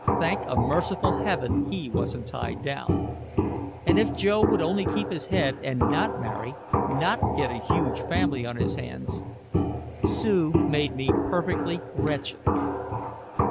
Thank a merciful heaven he wasn't tied down! And if Joe would only keep his head and not marry, not get a huge family on his hands Sue made me perfectly wretched.